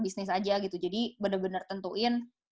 bisnis aja gitu jadi bener bener tentuin